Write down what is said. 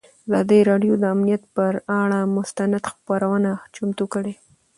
ازادي راډیو د امنیت پر اړه مستند خپرونه چمتو کړې.